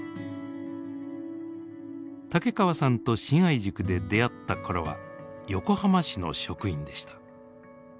竹川さんと信愛塾で出会ったころは横浜市の職員でした。